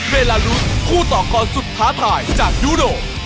เวลารุสผู้ต่อกรสุดท้าทายจากยูโด